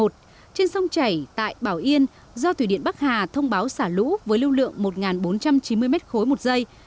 trên sông chảy tại bảo yên do thủy điện bắc hà thông báo xả lũ với lưu lượng một bốn trăm chín mươi m ba một giây